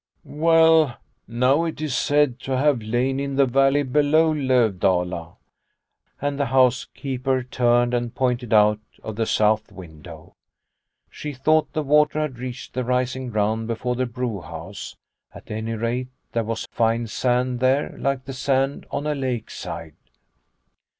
" Well, now, it is said to have lain in the valley below Lovdala," and the housekeeper turned and pointed out of the south window. She thought the water had reached the rising ground before the brew house. At any rate there was fine sand there like the sand on a lake side.